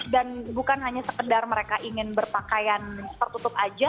dan bukan hanya sekedar mereka ingin berpakaian tertutup aja